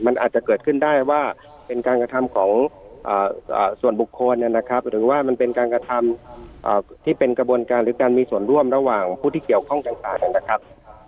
มันอาจจะเกิดขึ้นได้ว่าเป็นการกระทำของส่วนบุคคลนะครับหรือว่ามันเป็นการกระทำที่เป็นกระบวนการหรือการมีส่วนร่วมระหว่างผู้ที่เกี่ยวข้องต่างนะครับ